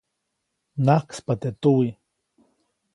Mnajkspa teʼ tuwiʼ.